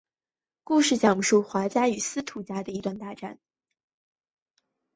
故事讲述华家与司徒家的一段大战。